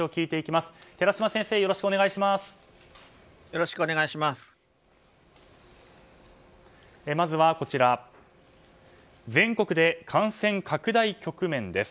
まずはこちら全国で感染拡大局面です。